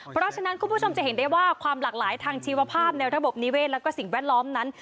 เพราะฉะนั้นคุณผู้ชมจะเห็นได้ว่าความหลากหลายทางชีวภาพในระบบนิเวศและสิ่งแวดล้อมนั้น